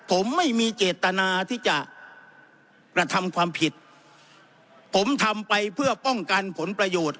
ผมไม่มีเจตนาที่จะกระทำความผิดผมทำไปเพื่อป้องกันผลประโยชน์